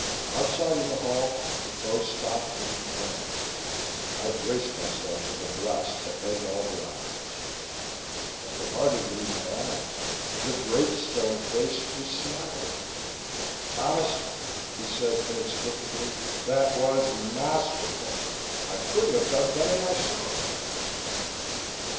Outside in the hall, Defoe stopped and confronted me. I braced myself for the blast to end all blasts. I could hardly believe my eyes. The great stone face was smiling! "Thomas," he said inexplicably, "that was masterful. I couldn't have done better myself."